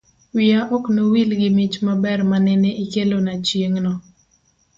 wiya ok no wil gi mich maber manene ikelona chieng'no.